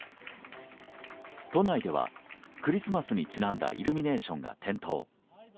都内ではクリスマスにちなんだイルミネーションが点灯。